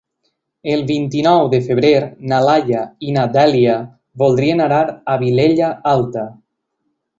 El vint-i-nou de febrer na Laia i na Dèlia voldrien anar a la Vilella Alta.